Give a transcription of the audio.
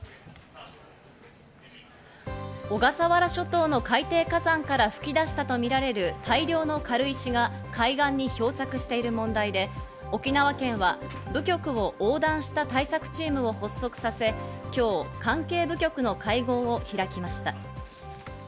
小笠原諸島の海底火山から噴き出したとみられる大量の軽石が海岸に漂着している問題で、沖縄県は部局を横断した対策チームを発足させ、今日、関係部局の会合を開きました。